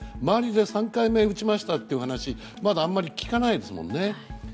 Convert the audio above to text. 周りで３回目打ちましたという話をまだあまり聞かないですもんね。